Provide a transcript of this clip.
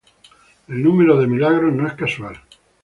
El número de milagros no es casual.